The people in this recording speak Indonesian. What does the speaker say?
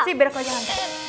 sih biar gua jalan